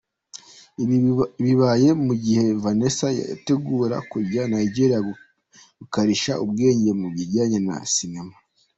Ibi bibaye mu gihe Vanessa yitegura kujya Nigeria gukarishya ubwenge mu bijyanye na Sinema.